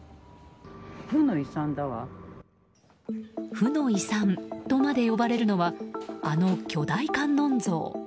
負の遺産とまで呼ばれるのはあの巨大観音像。